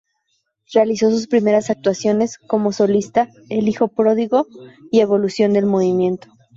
Realizó sus primeras actuaciones como solista El hijo pródigo y Evolución del movimiento.